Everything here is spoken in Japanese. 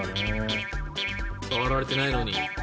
触られてないのに。